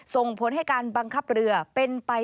ส่งผลให้การบังคับเรือเป็นไป